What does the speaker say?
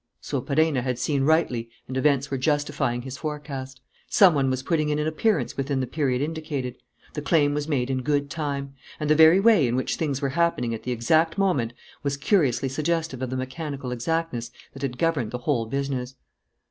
So Perenna had seen rightly and events were justifying his forecast. Some one was putting in an appearance within the period indicated. The claim was made in good time. And the very way in which things were happening at the exact moment was curiously suggestive of the mechanical exactness that had governed the whole business.